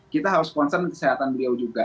kita harus concern kesehatan beliau juga